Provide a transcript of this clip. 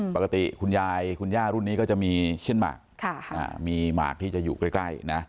ปกติคุณยายคุณย่ารุ่นนี้ก็จะมีเช่นหมากมีหมากที่จะอยู่ใกล้นะ